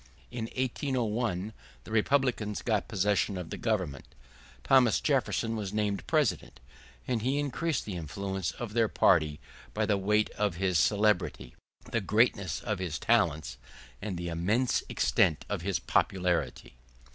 In 1801 the Republicans got possession of the Government; Thomas Jefferson was named President; and he increased the influence of their party by the weight of his celebrity, the greatness of his talents, and the immense extent of his popularity.